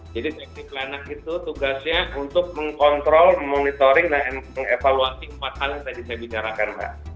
jadi safety planning itu tugasnya untuk mengkontrol memonitoring dan mengevaluasi empat hal yang tadi saya bicarakan mbak